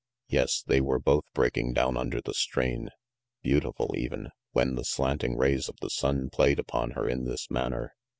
Yes, they were both break ing down under the strain. Beautiful, even, when the slanting rays of the sun played upon her in this manner.